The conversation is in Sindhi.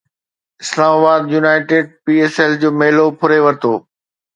اسلام آباد يونائيٽيڊ پي ايس ايل جو ميلو ڦري ورتو